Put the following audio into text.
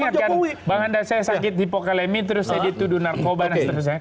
saya sakit dulu ya masih ingat kan bang andas saya sakit di pokelemi terus saya dituduh narkoba dan seterusnya